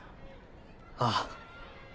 ああ。